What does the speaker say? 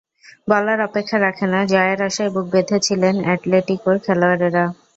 বলার অপেক্ষা রাখে না, জয়ের আশায় বুক বেঁধে ছিলেন অ্যাটলেটিকোর খেলোয়াড়েরা।